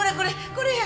これや。